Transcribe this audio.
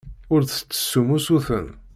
Ur d-tettessum usuten.